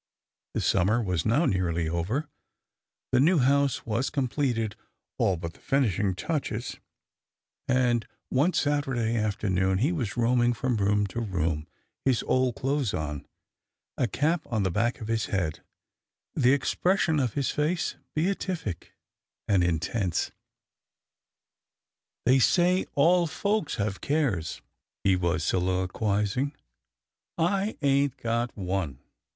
The summer was now nearly over, the new house was completed all but the finishing touches, and one Saturday afternoon he was roaming from room to room, his old clothes on, a cap on the back of his head, the expression of his face beatific and in tense. " They say all folks have cares," he was solilo quizing, " I ain't got one.